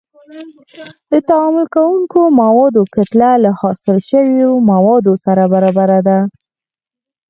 د تعامل کوونکو موادو کتله له حاصل شویو موادو سره برابره ده.